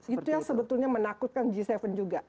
itu yang sebetulnya menakutkan g tujuh juga